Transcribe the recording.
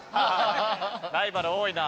ライバル多いな。